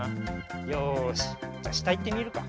よしじゃしたいってみるか。